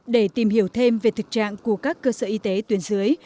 để tìm hiểu thêm về thực trạng của các cơ sở y tế tuyến dưới